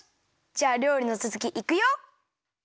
じゃありょうりのつづきいくよ！